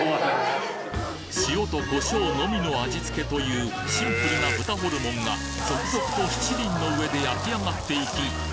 塩とコショウのみの味付けというシンプルな豚ホルモンが続々と七輪の上で焼きあがっていき